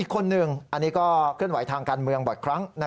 คนหนึ่งอันนี้ก็เคลื่อนไหวทางการเมืองบ่อยครั้ง